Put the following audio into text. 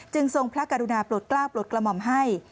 ทรงพระกรุณาปลดกล้าวปลดกระหม่อมให้